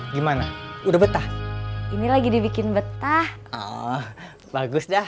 gimana udah betah ini lagi dibikin betah bagus dah